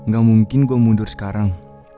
gak mungkin gue mundur sekarang